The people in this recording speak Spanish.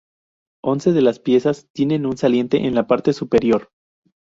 Once de las piezas tienen un saliente en la parte superior.